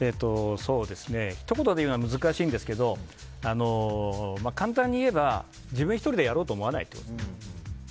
ひと言でいうのは難しいんですけど簡単にいえば、自分１人でやろうと思わないことです。